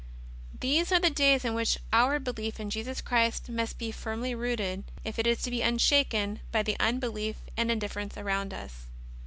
These are days in which our belief in Jesus Christ must be firmly rooted if it is to be unshaken by the un belief and indifference around us.